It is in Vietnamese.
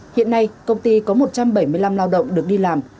hiện nay công ty có một trăm bảy mươi năm lao động được đi làm